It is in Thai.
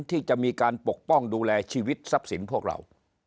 ที่จะมีการปกป้องดูแลชีวิตทรัพย์สินพวกเรา